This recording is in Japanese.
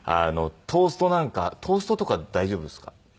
トーストなんかトーストとかって大丈夫ですか？